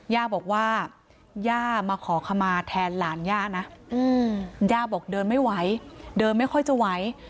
ย่าบอกว่าย่ามาขอขมาแทนหลานย่านะย่าบอกเดินไม่ไหวเดินไม่ค่อยจะไหว